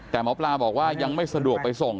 แต่หมอปลาบอกว่ายังไม่สะดวกไปส่ง